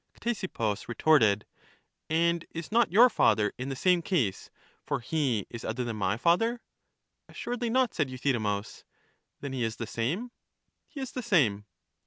Ctesippus retorted: And is not your father in the same case, for he is other than my father? EUTHYDEMUS 261 Assuredly not, said Euthydemus. Then he is the same? He is the same.